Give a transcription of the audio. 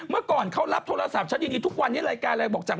เมื่อก่อนเขารับโทรศัพท์ฉันดีทุกวันนี้รายการอะไรบอกจาก